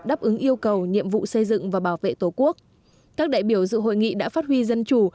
đáp ứng yêu cầu nhiệm vụ xây dựng và bảo vệ tổ quốc các đại biểu dự hội nghị đã phát huy dân chủ